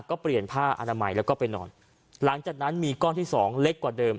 ก็เปลี่ยนผ้าอนามัยแล้วก็ไปนอนหลังจากนั้นมีก้อนที่สองเล็กกว่าเดิม